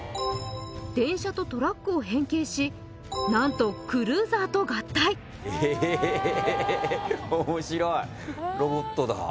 電車とトラックを変形し何とクルーザーと合体ええ面白いロボットだ